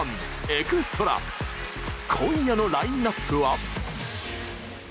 今夜のラインナップは。